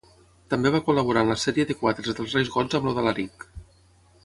També va col·laborar en la sèrie de quadres dels reis gots amb el d'Alaric.